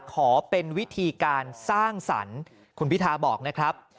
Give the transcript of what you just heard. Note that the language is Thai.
ขอเป็นวิธีการสร้างสรรค์คุณพิทาบอกนะครับ